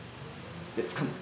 で、つかむ。